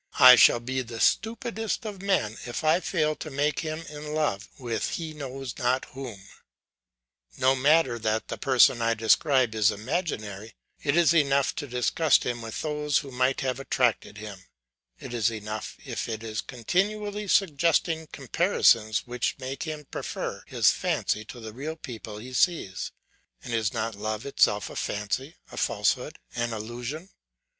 I shall be the stupidest of men if I fail to make him in love with he knows not whom. No matter that the person I describe is imaginary, it is enough to disgust him with those who might have attracted him; it is enough if it is continually suggesting comparisons which make him prefer his fancy to the real people he sees; and is not love itself a fancy, a falsehood, an illusion?